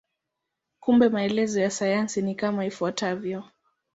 Kumbe maelezo ya sayansi ni kama ifuatavyo.